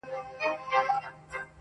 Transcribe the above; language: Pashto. دواړي سترګي یې د سرو وینو پیالې وې٫